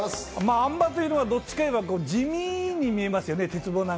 あん馬というのは、どちらかというと地味に見えますよね。